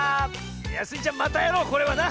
いやスイちゃんまたやろうこれはな！